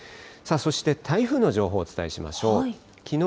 そして、台風の情報をお伝えしましょう。